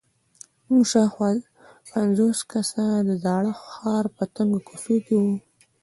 موږ شاوخوا پنځوس کسه د زاړه ښار په تنګو کوڅو کې وو.